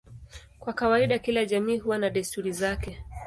Kwa kawaida kila jamii huwa na desturi zake.